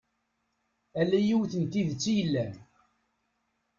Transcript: Ala yiwet n tidet i yellan.